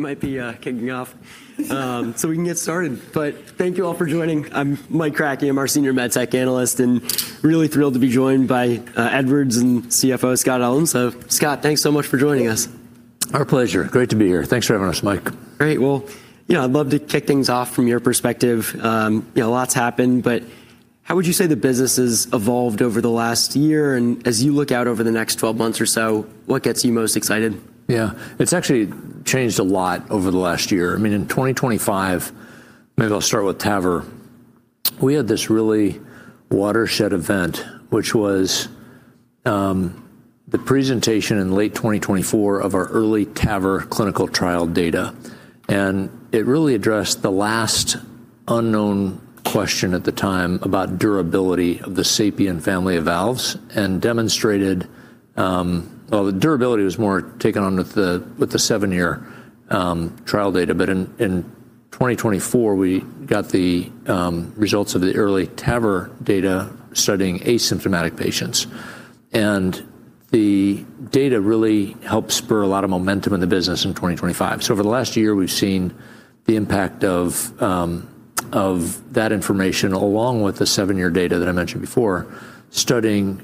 Might be kicking off. We can get started. Thank you all for joining. I'm Mike Kratky. I'm our Senior Med Tech Analyst, and really thrilled to be joined by Edwards' CFO Scott Ullem. Scott, thanks so much for joining us. Our pleasure. Great to be here. Thanks for having us, Mike. Great. Well, I'd love to kick things off from your perspective. A lot's happened, but how would you say the business has evolved over the last year? As you look out over the next 12 months or so, what gets you most excited? Yeah. It's actually changed a lot over the last year. I mean, in 2025, maybe I'll start with TAVR. We had this really watershed event, which was the presentation in late 2024 of our EARLY TAVR clinical trial data. It really addressed the last unknown question at the time about durability of the SAPIEN family of valves and demonstrated. Well, the durability was more taken on with the seven-year trial data. In 2024, we got the results of the EARLY TAVR data studying asymptomatic patients. The data really helped spur a lot of momentum in the business in 2025. Over the last year, we've seen the impact of that information along with the seven-year data that I mentioned before, studying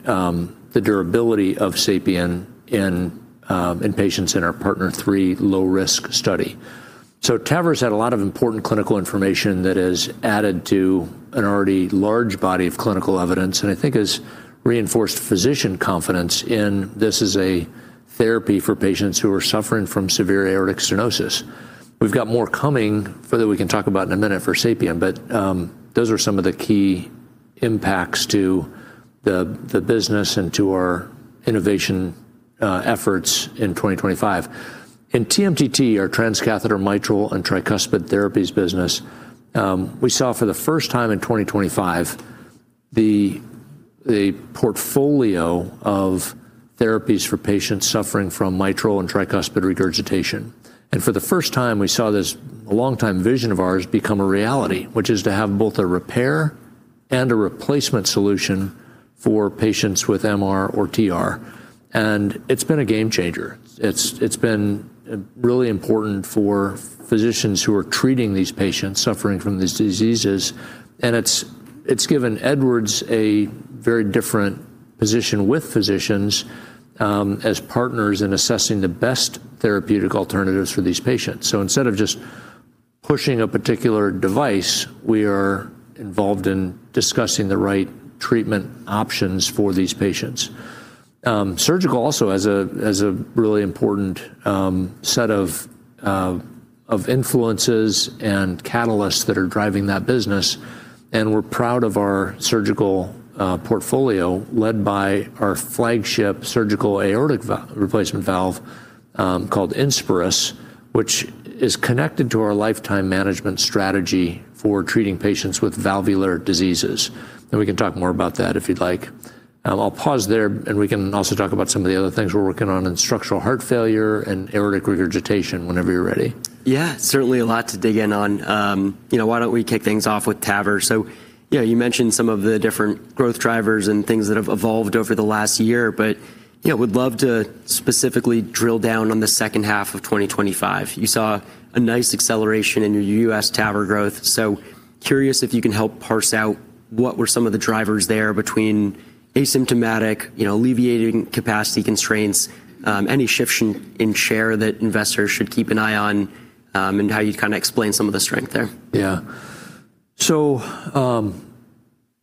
the durability of SAPIEN in patients in our PARTNER 3 low-risk study. TAVR's had a lot of important clinical information that has added to an already large body of clinical evidence and I think has reinforced physician confidence in this as a therapy for patients who are suffering from severe aortic stenosis. We've got more coming for that we can talk about in a minute for SAPIEN, but those are some of the key impacts to the business and to our innovation efforts in 2025. In TMTT, our transcatheter mitral and tricuspid therapies business, we saw for the first time in 2025 the portfolio of therapies for patients suffering from mitral and tricuspid regurgitation. For the first time, we saw this longtime vision of ours become a reality, which is to have both a repair and a replacement solution for patients with MR or TR. It's been a game changer. It's been really important for physicians who are treating these patients suffering from these diseases, and it's given Edwards a very different position with physicians, as partners in assessing the best therapeutic alternatives for these patients. Instead of just pushing a particular device, we are involved in discussing the right treatment options for these patients. Surgical also has a really important set of influences and catalysts that are driving that business, and we're proud of our surgical portfolio led by our flagship surgical aortic replacement valve, called INSPIRIS, which is connected to our lifetime management strategy for treating patients with valvular diseases. We can talk more about that if you'd like. I'll pause there, and we can also talk about some of the other things we're working on in structural heart failure and aortic regurgitation whenever you're ready. Yeah. Certainly a lot to dig in on. You know, why don't we kick things off with TAVR? You know, you mentioned some of the different growth drivers and things that have evolved over the last year. You know, would love to specifically drill down on the second half of 2025. You saw a nice acceleration in your U.S. TAVR growth. Curious if you can help parse out what were some of the drivers there between asymptomatic, you know, alleviating capacity constraints, any shifts in share that investors should keep an eye on? How you kinda explain some of the strength there? Yeah.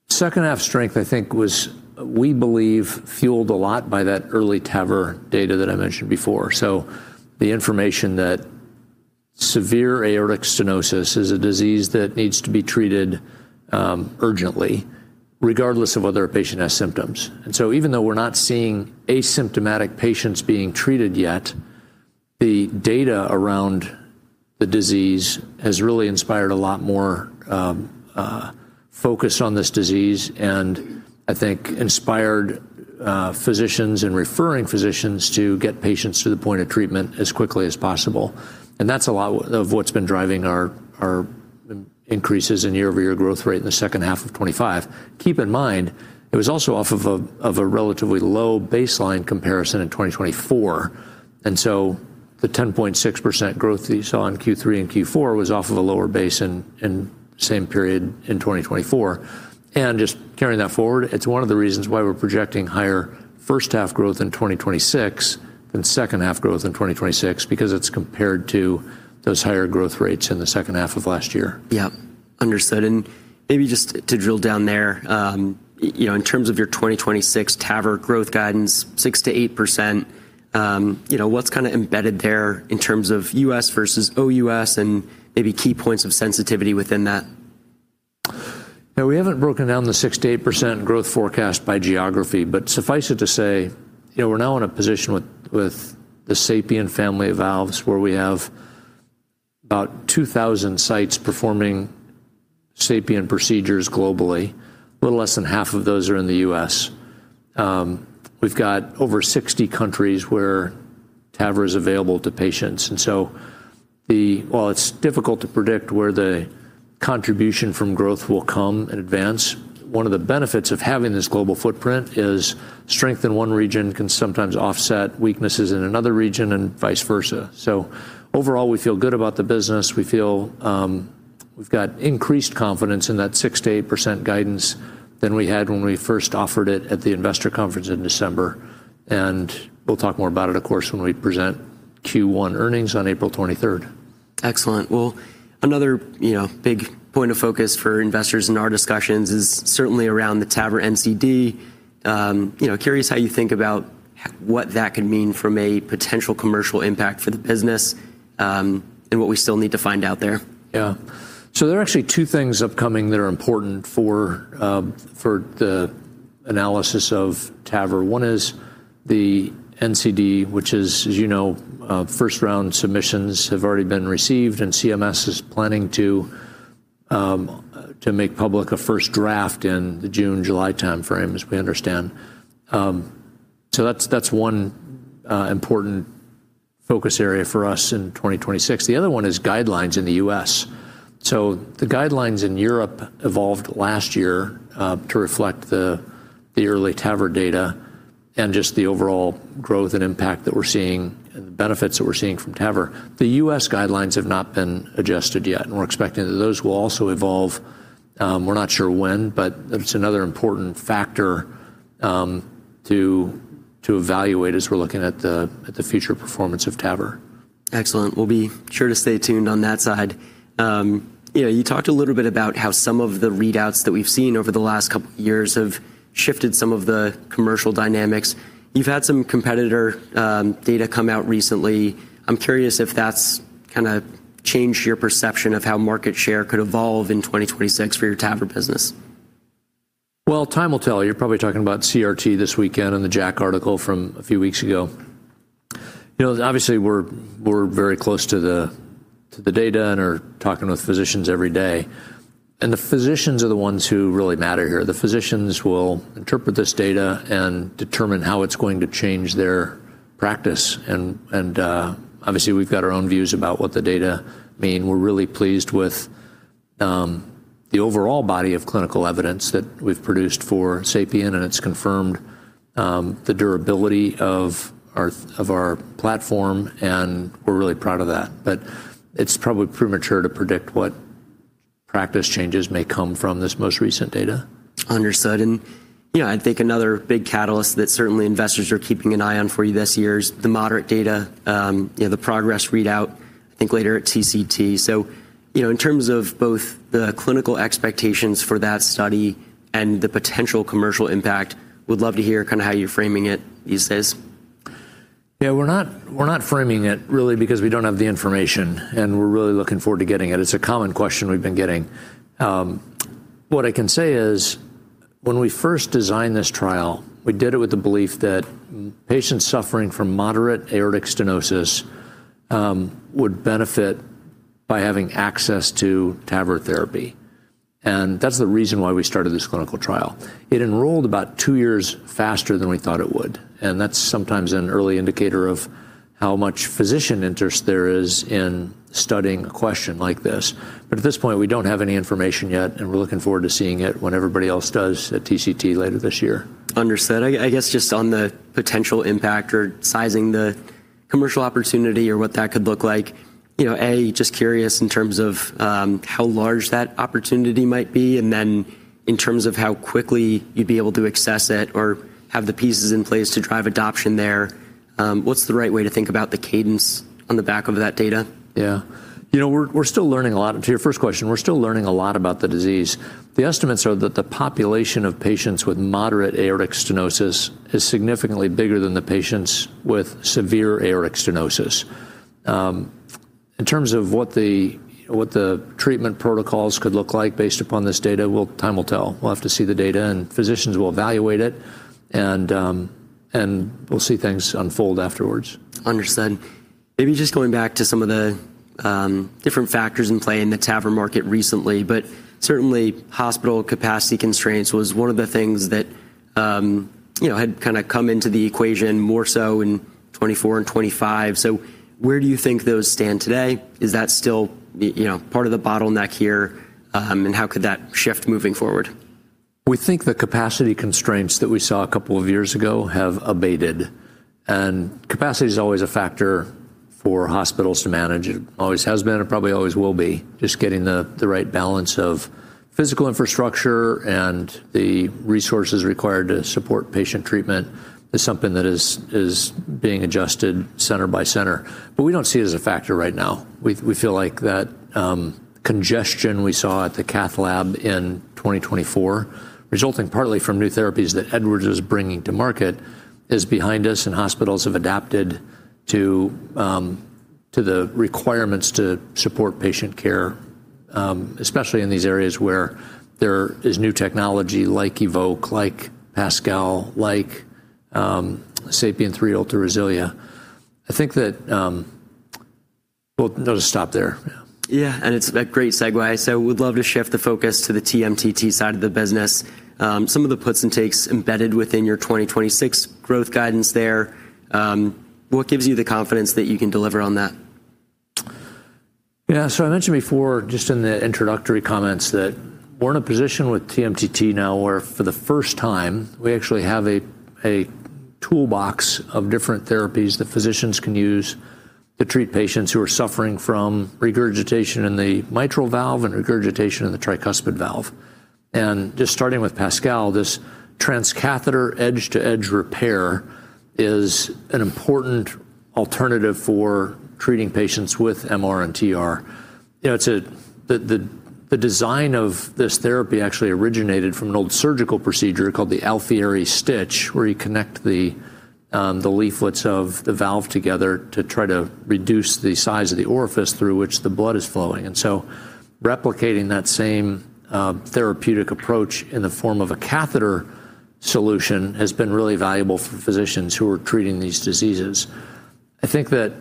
Second half strength I think was, we believe, fueled a lot by that EARLY TAVR data that I mentioned before. The information that severe aortic stenosis is a disease that needs to be treated urgently regardless of whether a patient has symptoms. Even though we're not seeing asymptomatic patients being treated yet, the data around the disease has really inspired a lot more focus on this disease and I think inspired physicians and referring physicians to get patients to the point of treatment as quickly as possible. That's a lot of what's been driving our increases in year-over-year growth rate in the second half of 2025. Keep in mind, it was also off of a relatively low baseline comparison in 2024, and so the 10.6% growth that you saw in Q3 and Q4 was off of a lower base in same period in 2024. Just carrying that forward, it's one of the reasons why we're projecting higher first half growth in 2026 than second half growth in 2026 because it's compared to those higher growth rates in the second half of last year. Yeah. Understood. Maybe just to drill down there in terms of your 2026 TAVR growth guidance, 6%-8%. What's kinda embedded there in terms of U.S. versus OUS and maybe key points of sensitivity within that? Yeah, we haven't broken down the 6%-8% growth forecast by geography, but suffice it to say, you know, we're now in a position with the SAPIEN family of valves where we have about 2,000 sites performing SAPIEN procedures globally. A little less than half of those are in the U.S. We've got over 60 countries where TAVR is available to patients. While it's difficult to predict where the contribution from growth will come in advance. One of the benefits of having this global footprint is strength in one region can sometimes offset weaknesses in another region and vice versa. Overall, we feel good about the business. We feel, we've got increased confidence in that 6%-8% guidance than we had when we first offered it at the investor conference in December, and we'll talk more about it, of course, when we present Q1 earnings on April 23rd 2026. Excellent. Well, another big point of focus for investors in our discussions is certainly around the TAVR NCD. Curious how you think about what that could mean from a potential commercial impact for the business, and what we still need to find out there. Yeah. There are actually two things upcoming that are important for the analysis of TAVR. One is the NCD, which is, as you know, first-round submissions have already been received, and CMS is planning to make public a first draft in the June-July timeframe, as we understand. That's one important focus area for us in 2026. The other one is guidelines in the U.S. The guidelines in Europe evolved last year to reflect the early TAVR data and just the overall growth and impact that we're seeing and the benefits that we're seeing from TAVR. The U.S. guidelines have not been adjusted yet, and we're expecting that those will also evolve. We're not sure when, but it's another important factor to evaluate as we're looking at the future performance of TAVR. Excellent. We'll be sure to stay tuned on that side. You know, you talked a little bit about how some of the readouts that we've seen over the last couple years have shifted some of the commercial dynamics. You've had some competitor data come out recently. I'm curious if that's kinda changed your perception of how market share could evolve in 2026 for your TAVR business. Well, time will tell. You're probably talking about CRT this weekend and the JACC article from a few weeks ago. You know, obviously we're very close to the data and are talking with physicians every day, and the physicians are the ones who really matter here. The physicians will interpret this data and determine how it's going to change their practice and obviously we've got our own views about what the data mean. We're really pleased with the overall body of clinical evidence that we've produced for SAPIEN, and it's confirmed the durability of our platform, and we're really proud of that. It's probably premature to predict what practice changes may come from this most recent data. Understood. I think another big catalyst that certainly investors are keeping an eye on for you this year is the moderate data, the progress readout, I think later at TCT. In terms of both the clinical expectations for that study, and the potential commercial impact, would love to hear kinda how you're framing it these days. Yeah, we're not framing it really because we don't have the information, and we're really looking forward to getting it. It's a common question we've been getting. What I can say is when we first designed this trial, we did it with the belief that patients suffering from moderate aortic stenosis would benefit by having access to TAVR therapy, and that's the reason why we started this clinical trial. It enrolled about two years faster than we thought it would, and that's sometimes an early indicator of how much physician interest there is in studying a question like this. At this point, we don't have any information yet, and we're looking forward to seeing it when everybody else does at TCT later this year. Understood. I guess just on the potential impact or sizing the commercial opportunity or what that could look like just curious in terms of how large that opportunity might be, and then in terms of how quickly you'd be able to access it or have the pieces in place to drive adoption there, what's the right way to think about the cadence on the back of that data? Yeah. We're still learning a lot. To your first question, we're still learning a lot about the disease. The estimates are that the population of patients with moderate aortic stenosis is significantly bigger than the patients with severe aortic stenosis. In terms of what the treatment protocols could look like based upon this data, well, time will tell. We'll have to see the data, and physicians will evaluate it, and we'll see things unfold afterwards. Understood. Maybe just going back to some of the different factors in play in the TAVR market recently, but certainly hospital capacity constraints was one of the things that had kinda come into the equation more so in 2024 and 2025. Where do you think those stand today? Is that still part of the bottleneck here, and how could that shift moving forward? We think the capacity constraints that we saw a couple of years ago have abated, and capacity is always a factor for hospitals to manage. It always has been and probably always will be. Just getting the right balance of physical infrastructure and the resources required to support patient treatment is something that is being adjusted center by center. We don't see it as a factor right now. We feel like that congestion we saw at the cath lab in 2024, resulting partly from new therapies that Edwards is bringing to market, is behind us, and hospitals have adapted to the requirements to support patient care, especially in these areas where there is new technology like EVOQUE, like PASCAL, like SAPIEN 3 Ultra RESILIA. I think that. Well, I'll just stop there. Yeah, it's a great segue. We'd love to shift the focus to the TMTT side of the business. Some of the puts and takes embedded within your 2026 growth guidance there, what gives you the confidence that you can deliver on that? Yeah. I mentioned before just in the introductory comments that we're in a position with TMTT now where for the first time, we actually have a toolbox of different therapies that physicians can use to treat patients who are suffering from regurgitation in the mitral valve and regurgitation in the tricuspid valve. Just starting with PASCAL, this transcatheter edge-to-edge repair is an important alternative for treating patients with MR and TR. It's the design of this therapy actually originated from an old surgical procedure called the Alfieri stitch, where you connect the leaflets of the valve together to try to reduce the size of the orifice through which the blood is flowing. Replicating that same therapeutic approach in the form of a catheter solution has been really valuable for physicians who are treating these diseases. I think that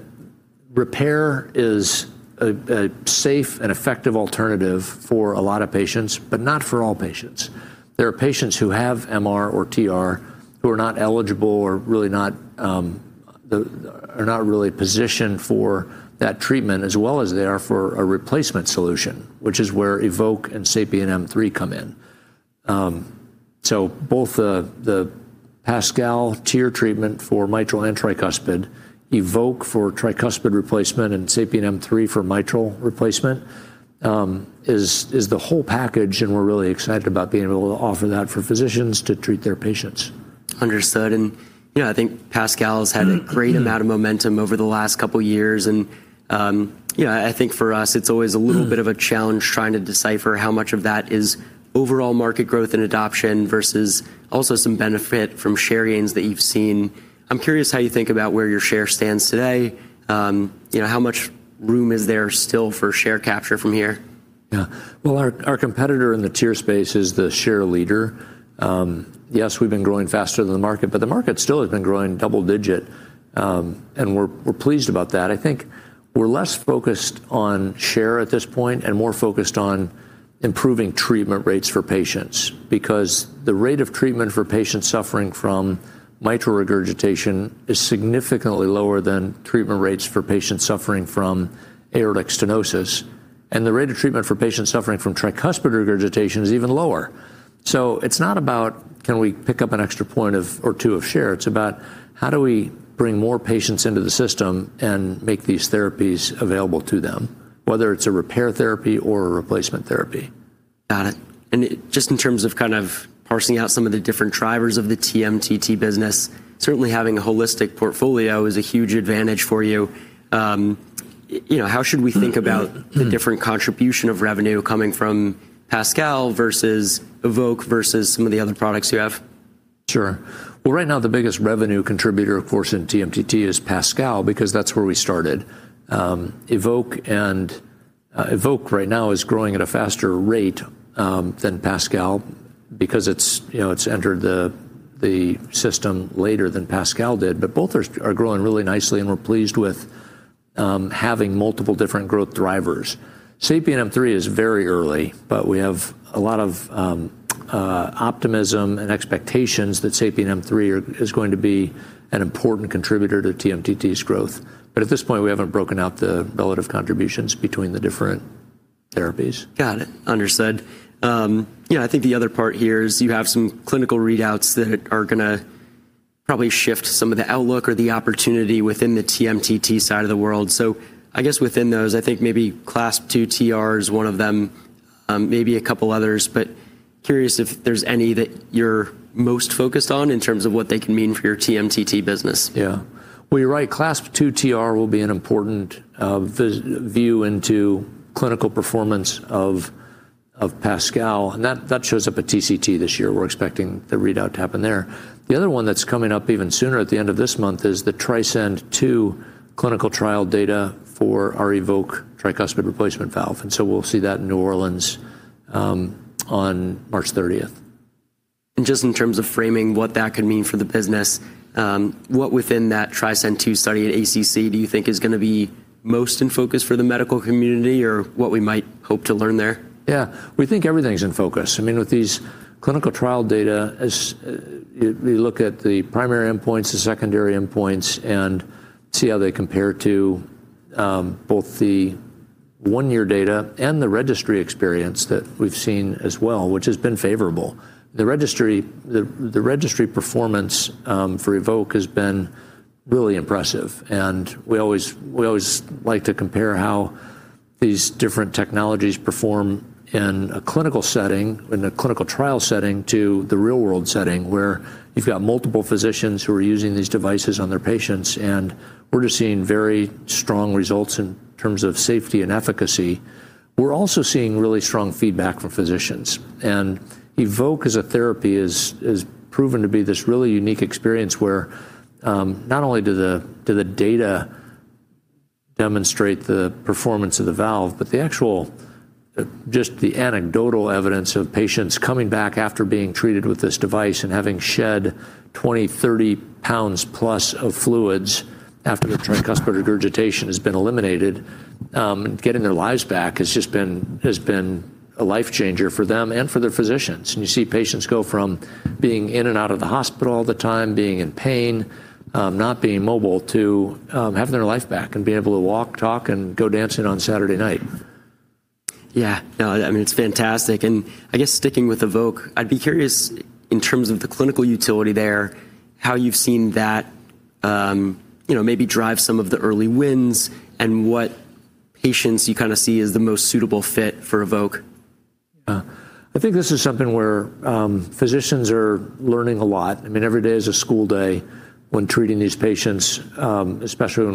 repair is a safe and effective alternative for a lot of patients, but not for all patients. There are patients who have MR or TR who are not eligible or are not really positioned for that treatment as well as they are for a replacement solution, which is where EVOQUE and SAPIEN M3 come in. Both the PASCAL TEER treatment for mitral and tricuspid, EVOQUE for tricuspid replacement, and SAPIEN M3 for mitral replacement is the whole package, and we're really excited about being able to offer that for physicians to treat their patients. Understood. I think PASCAL's had a great amount of momentum over the last couple years. I think for us it's always a little bit of a challenge trying to decipher how much of that is overall market growth and adoption versus also some benefit from share gains that you've seen. I'm curious how you think about where your share stands today. How much room is there still for share capture from here? Yeah. Well, our competitor in the TEER space is the share leader. Yes, we've been growing faster than the market, but the market still has been growing double-digit, and we're pleased about that. I think we're less focused on share at this point and more focused on improving treatment rates for patients because the rate of treatment for patients suffering from mitral regurgitation is significantly lower than treatment rates for patients suffering from aortic stenosis, and the rate of treatment for patients suffering from tricuspid regurgitation is even lower. It's not about can we pick up an extra point or two of share, it's about how do we bring more patients into the system and make these therapies available to them, whether it's a repair therapy or a replacement therapy. Got it. Just in terms of kind of parsing out some of the different drivers of the TMTT business, certainly having a holistic portfolio is a huge advantage for you. How should we think about the different contribution of revenue coming from PASCAL versus EVOQUE versus some of the other products you have? Sure. Well, right now the biggest revenue contributor, of course, in TMTT is PASCAL because that's where we started. EVOQUE right now is growing at a faster rate than PASCAL because it's entered the system later than PASCAL did. Both are growing really nicely, and we're pleased with having multiple different growth drivers. SAPIEN M3 is very early, but we have a lot of optimism and expectations that SAPIEN M3 is going to be an important contributor to TMTT's growth. At this point, we haven't broken out the relative contributions between the different therapies. Got it. Understood. I think the other part here is you have some clinical readouts that are gonna probably shift some of the outlook or the opportunity within the TMTT side of the world. I guess within those, I think maybe CLASP II TR is one of them, maybe a couple others, but curious if there's any that you're most focused on in terms of what they can mean for your TMTT business. Yeah. Well, you're right, CLASP II TR will be an important view into clinical performance of PASCAL, and that shows up at TCT this year. We're expecting the readout to happen there. The other one that's coming up even sooner at the end of this month is the TRISCEND II clinical trial data for our EVOQUE tricuspid replacement valve, and so we'll see that in New Orleans on March 30th. Just in terms of framing what that could mean for the business, what within that TRISCEND II study at ACC do you think is gonna be most in focus for the medical community or what we might hope to learn there? Yeah. We think everything's in focus. I mean, with these clinical trial data, as we look at the primary endpoints, the secondary endpoints, and see how they compare to both the one-year data and the registry experience that we've seen as well, which has been favorable. The registry performance for EVOQUE has been really impressive, and we always like to compare how these different technologies perform in a clinical setting, in a clinical trial setting to the real world setting, where you've got multiple physicians who are using these devices on their patients, and we're just seeing very strong results in terms of safety and efficacy. We're also seeing really strong feedback from physicians. EVOQUE as a therapy is, has proven to be this really unique experience where, not only do the data demonstrate the performance of the valve, but the actual, just the anecdotal evidence of patients coming back after being treated with this device and having shed 20, 30lbs+ plus of fluids after their tricuspid regurgitation has been eliminated, getting their lives back has just been a life changer for them and for their physicians. You see patients go from being in and out of the hospital all the time, being in pain, not being mobile, to, having their life back and being able to walk, talk, and go dancing on Saturday night. Yeah. No, I mean, it's fantastic. I guess sticking with EVOQUE, I'd be curious in terms of the clinical utility there, how you've seen that maybe drive some of the early wins and what patients you kinda see as the most suitable fit for EVOQUE. I think this is something where, physicians are learning a lot. I mean, every day is a school day when treating these patients, especially when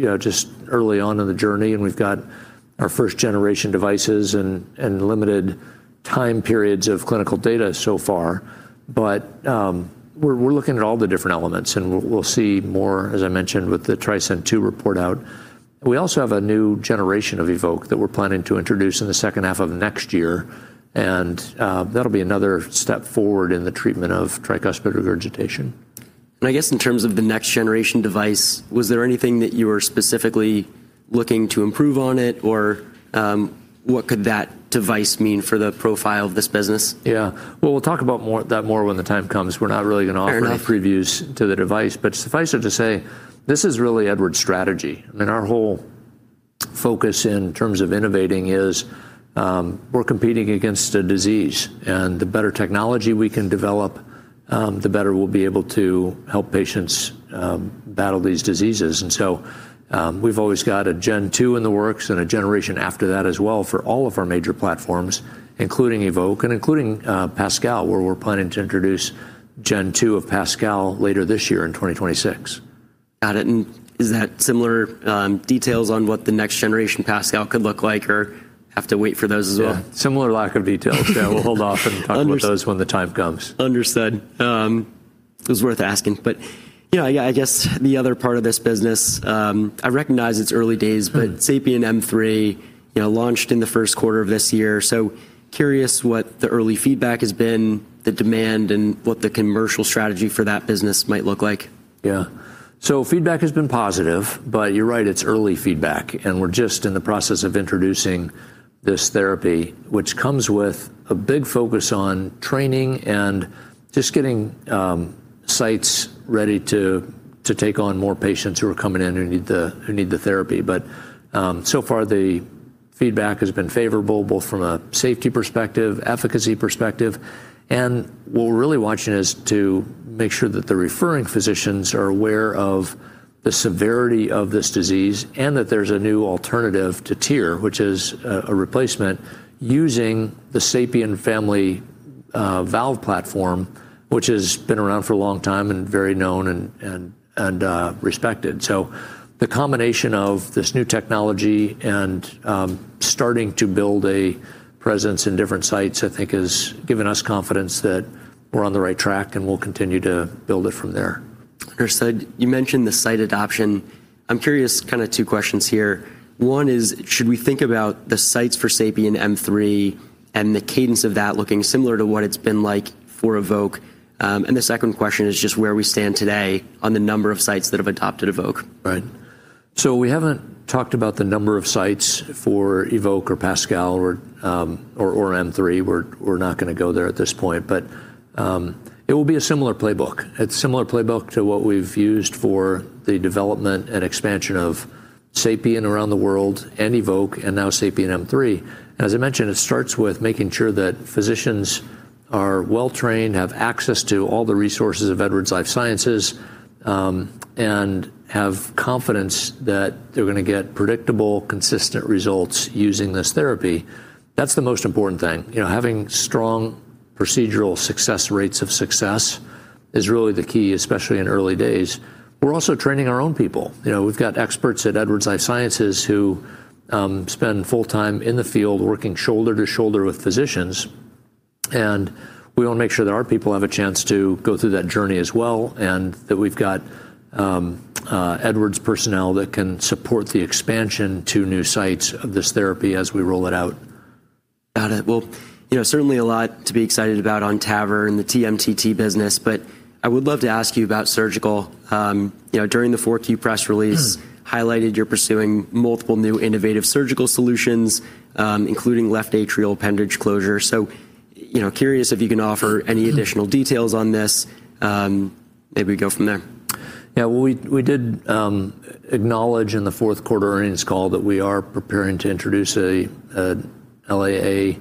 we're just early on in the journey and we've got our first generation devices and limited time periods of clinical data so far. We're looking at all the different elements, and we'll see more, as I mentioned, with the TRISCEND II report out. We also have a new generation of EVOQUE that we're planning to introduce in the second half of next year, and that'll be another step forward in the treatment of tricuspid regurgitation. I guess in terms of the next generation device, was there anything that you were specifically looking to improve on it, or, what could that device mean for the profile of this business? Yeah. Well, we'll talk about that more when the time comes. We're not really gonna offer any previews to the device. Suffice it to say, this is really Edwards' strategy. I mean, our whole focus in terms of innovating is, we're competing against a disease, and the better technology we can develop, the better we'll be able to help patients battle these diseases. We've always got a gen two in the works and a generation after that as well for all of our major platforms, including EVOQUE and PASCAL, where we're planning to introduce gen two of PASCAL later this year in 2026. Got it. Is that similar, details on what the next generation PASCAL could look like, or have to wait for those as well? Yeah, similar lack of details. Yeah, we'll hold off and talk about those when the time comes. Understood. It was worth asking. Yeah, I guess the other part of this business, I recognize it's early days. SAPIEN M3, launched in the first quarter of this year. Curious what the early feedback has been, the demand, and what the commercial strategy for that business might look like. Yeah. Feedback has been positive, but you're right, it's early feedback, and we're just in the process of introducing this therapy, which comes with a big focus on training and just getting sites ready to take on more patients who are coming in who need the therapy. So far the feedback has been favorable, both from a safety perspective, efficacy perspective. What we're really watching is to make sure that the referring physicians are aware of the severity of this disease and that there's a new alternative to TEER, which is a replacement using the SAPIEN family valve platform, which has been around for a long time and very known and respected. The combination of this new technology and starting to build a presence in different sites, I think has given us confidence that we're on the right track, and we'll continue to build it from there. Understood. You mentioned the site adoption. I'm curious, kinda two questions here. One is, should we think about the sites for SAPIEN M3 and the cadence of that looking similar to what it's been like for EVOQUE? The second question is just where we stand today on the number of sites that have adopted EVOQUE? Right. We haven't talked about the number of sites for EVOQUE or PASCAL or SAPIEN M3. We're not gonna go there at this point. It will be a similar playbook. It's a similar playbook to what we've used for the development and expansion of SAPIEN around the world and EVOQUE and now SAPIEN M3. It starts with making sure that physicians are well trained, have access to all the resources of Edwards Lifesciences, and have confidence that they're gonna get predictable, consistent results using this therapy. That's the most important thing. Having strong procedural success rates of success is really the key, especially in early days. We're also training our own people. We've got experts at Edwards Lifesciences who spend full time in the field working shoulder to shoulder with physicians, and we wanna make sure that our people have a chance to go through that journey as well and that we've got Edwards personnel that can support the expansion to new sites of this therapy as we roll it out. Got it. Well, certainly a lot to be excited about on TAVR and the TMTT business, but I would love to ask you about surgical. During the Q4 press release highlighted you're pursuing multiple new innovative surgical solutions, including left atrial appendage closure. Curious if you can offer any additional details on this, maybe go from there. Yeah. Well, we did acknowledge in the fourth quarter earnings call that we are preparing to introduce a LAA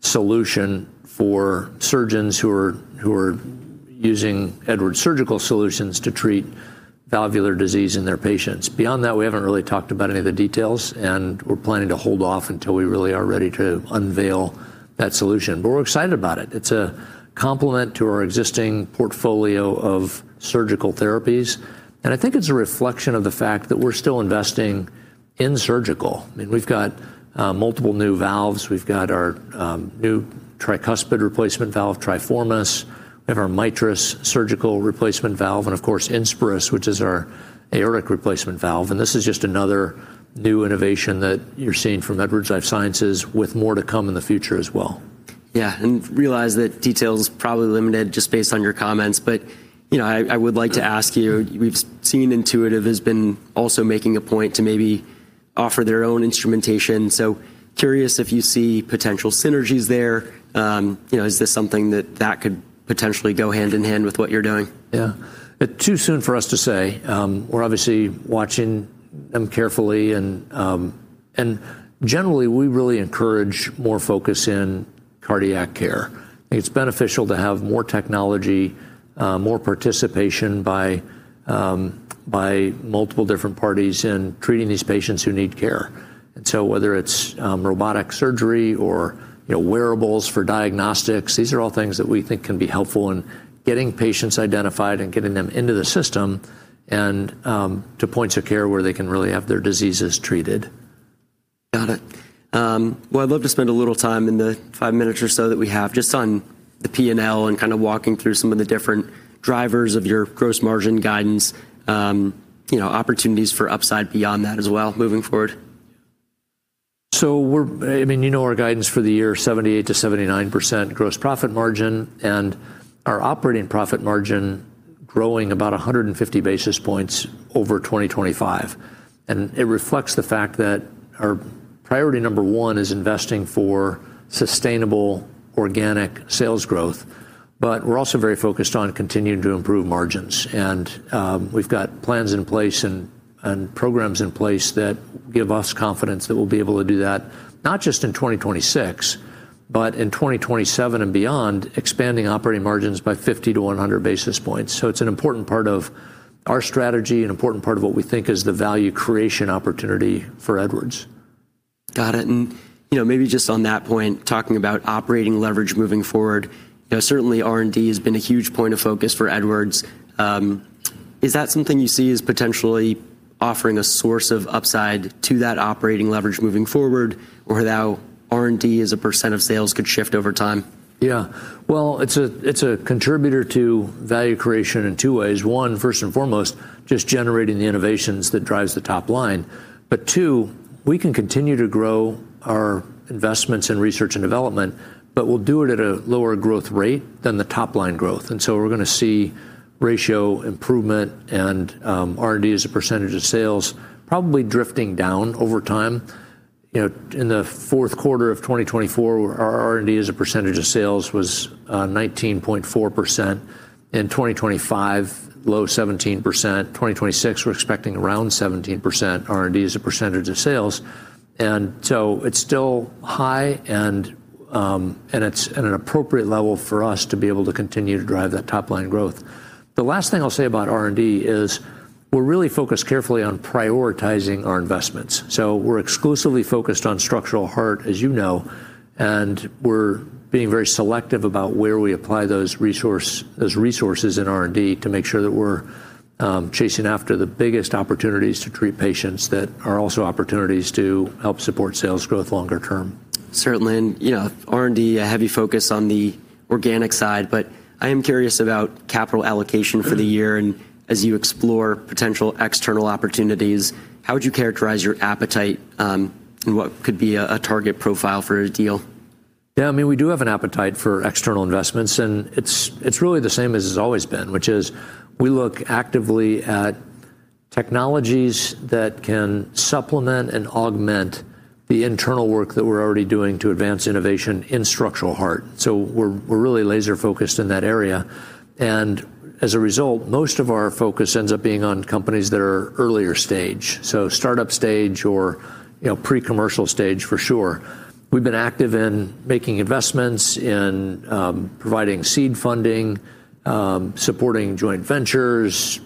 solution for surgeons who are using Edwards surgical solutions to treat valvular disease in their patients. Beyond that, we haven't really talked about any of the details, and we're planning to hold off until we really are ready to unveil that solution. We're excited about it. It's a complement to our existing portfolio of surgical therapies, and I think it's a reflection of the fact that we're still investing in surgical. I mean, we've got multiple new valves. We've got our new tricuspid replacement valve, TRIFORMIS. We have our MITRIS surgical replacement valve and of course, INSPIRIS, which is our aortic replacement valve. This is just another new innovation that you're seeing from Edwards Lifesciences with more to come in the future as well. Yeah. Realize that detail's probably limited just based on your comments, but I would like to ask you, we've seen Intuitive has been also making a point to maybe offer their own instrumentation. Curious if you see potential synergies there. Is this something that could potentially go hand in hand with what you're doing? Yeah. Too soon for us to say. We're obviously watching them carefully and generally, we really encourage more focus in cardiac care. I think it's beneficial to have more technology, more participation by multiple different parties in treating these patients who need care. Whether it's robotic surgery or wearables for diagnostics, these are all things that we think can be helpful in getting patients identified and getting them into the system and to points of care where they can really have their diseases treated. Got it. Well, I'd love to spend a little time in the five minutes or so that we have just on the P&L and kinda walking through some of the different drivers of your gross margin guidance opportunities for upside beyond that as well moving forward. I mean our guidance for the year, 78%-79% gross profit margin and our operating profit margin growing about 150 basis points over 2025. It reflects the fact that our priority number one is investing for sustainable organic sales growth, but we're also very focused on continuing to improve margins. We've got plans in place and programs in place that give us confidence that we'll be able to do that not just in 2026, but in 2027 and beyond, expanding operating margins by 50-100 basis points. It's an important part of our strategy, an important part of what we think is the value creation opportunity for Edwards. Got it. Maybe just on that point, talking about operating leverage moving forward, certainly R&D has been a huge point of focus for Edwards. Is that something you see as potentially offering a source of upside to that operating leverage moving forward or how R&D as a % of sales could shift over time? Yeah. Well, it's a contributor to value creation in two ways. One, first and foremost, just generating the innovations that drives the top line. But two, we can continue to grow our investments in research and development, but we'll do it at a lower growth rate than the top line growth. We're gonna see ratio improvement and R&D as a percentage of sales probably drifting down over time. You know, in the fourth quarter of 2024, our R&D as a percentage of sales was 19.4%. In 2025, low 17%. 2026, we're expecting around 17% R&D as a percentage of sales. It's still high and it's at an appropriate level for us to be able to continue to drive that top line growth. The last thing I'll say about R&D is we're really focused carefully on prioritizing our investments. We're exclusively focused on structural heart, as you know, and we're being very selective about where we apply those resources in R&D to make sure that we're chasing after the biggest opportunities to treat patients that are also opportunities to help support sales growth longer term. Certainly. You know, R&D, a heavy focus on the organic side, but I am curious about capital allocation for the year. As you explore potential external opportunities, how would you characterize your appetite, and what could be a target profile for a deal? Yeah, I mean, we do have an appetite for external investments, and it's really the same as it's always been, which is we look actively at technologies that can supplement and augment the internal work that we're already doing to advance innovation in structural heart. We're really laser focused in that area. As a result, most of our focus ends up being on companies that are earlier stage, so startup stage or, you know, pre-commercial stage for sure. We've been active in making investments, in providing seed funding, supporting joint ventures,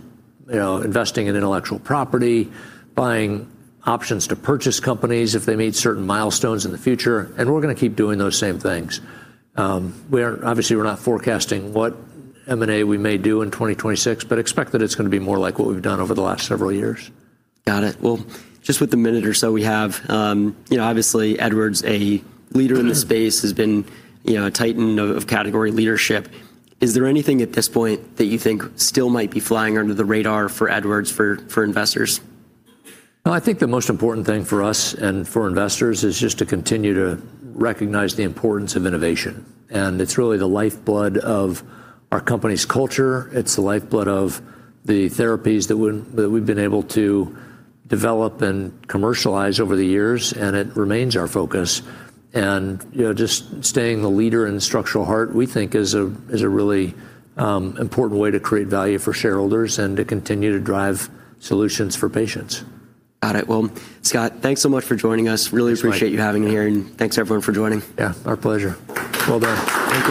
you know, investing in intellectual property, buying options to purchase companies if they meet certain milestones in the future, and we're gonna keep doing those same things. Obviously, we're not forecasting what M&A we may do in 2026, but expect that it's gonna be more like what we've done over the last several years. Got it. Well, just with the minute or so we have, you know, obviously, Edwards, a leader in the space, has been, you know, a titan of category leadership. Is there anything at this point that you think still might be flying under the radar for Edwards for investors? No, I think the most important thing for us and for investors is just to continue to recognize the importance of innovation. It's really the lifeblood of our company's culture. It's the lifeblood of the therapies that we've been able to develop and commercialize over the years, and it remains our focus. You know, just staying the leader in structural heart, we think is a really important way to create value for shareholders and to continue to drive solutions for patients. Got it. Well, Scott, thanks so much for joining us. Thanks, Mike. Really appreciate you having me here, and thanks everyone for joining. Yeah, our pleasure. Well done. Thank you.